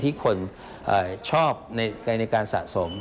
ที่คนชอบในการสะสม